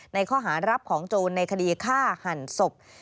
ในข้อหารับของโจรในคดีฆ่าหันศพ